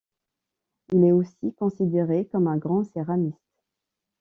Il est aussi considéré comme un grand céramiste.